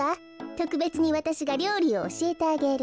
とくべつにわたしがりょうりをおしえてあげる。